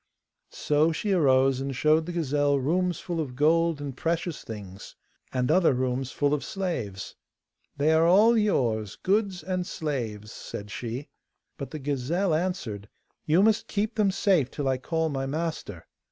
So she arose and showed the gazelle rooms full of gold and precious things, and other rooms full of slaves. 'They are all yours, goods and slaves,' said she. But the gazelle answered, 'You must keep them safe till I call my master.